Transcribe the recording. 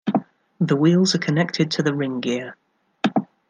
The wheels are connected to the ring gear.